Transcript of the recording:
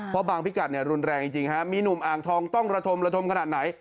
เพราะบางพิกัดรุนแรงจริงมีหนุ่มอ่างทองต้องระทมระทมขนาดไหน